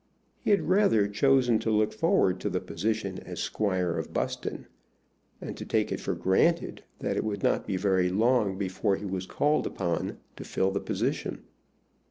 He had rather chosen to look forward to the position as squire of Buston, and to take it for granted that it would not be very long before he was called upon to fill the position.